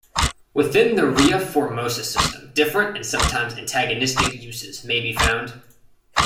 Within the Ria Formosa system, different and sometimes antagonistic uses may be found.